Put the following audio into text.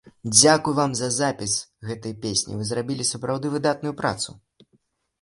Дзякуй вам за запіс гэтай песні, вы зрабілі сапраўды выдатную працу.